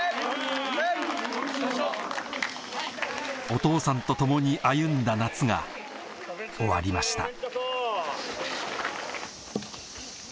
・お父さんと共に歩んだ夏が終わりました